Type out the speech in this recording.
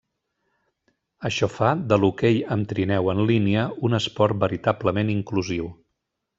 Això fa de l'hoquei amb trineu en línia un esport veritablement inclusiu.